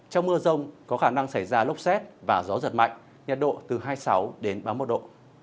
trong mưa rông có khả năng xảy ra lốc xét và gió giật mạnh nhiệt độ từ hai mươi sáu đến ba mươi một độ